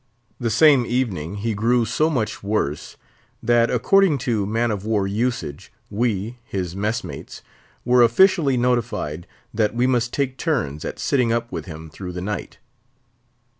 The same evening he grew so much worse, that according to man of war usage, we, his mess mates, were officially notified that we must take turns at sitting up with him through the night.